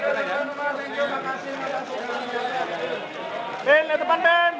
tunggu dulu pak